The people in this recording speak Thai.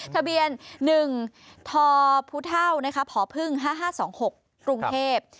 ทะเบียน๑ทอพุทาวผอพึ่ง๕๕๒๖ปรุงเทพฯ